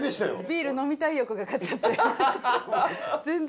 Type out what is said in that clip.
ビール飲みたい欲が勝っちゃって。